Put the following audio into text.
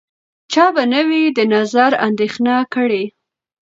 چا به نه وي د نظر اندېښنه کړې